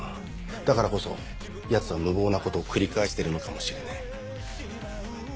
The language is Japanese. だからこそヤツは無謀なことを繰り返してるのかもしれねえ。